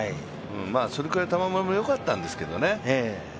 それくらい玉村もよかったんですけどね。